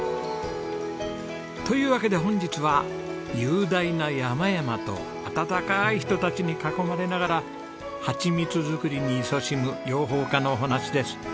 というわけで本日は雄大な山々と温かい人たちに囲まれながらハチミツ作りにいそしむ養蜂家のお話です。